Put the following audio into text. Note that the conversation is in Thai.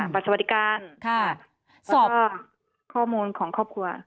บัตรสวัสดิการแล้วก็ข้อมูลของครอบครัว